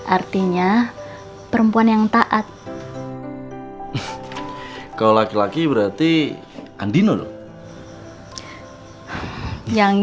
artinya perempuan yang taat kalau laki laki berarti andinul yang